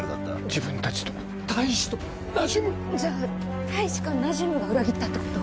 自分たちと大使とナジュムじゃあ大使かナジュムが裏切ったってこと？